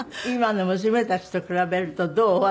今の娘たちと比べるとどう？